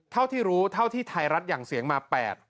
เท่าที่รู้ทางที่ธรรมศรรย์หย่างเสียงมา๘